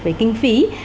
về kinh phí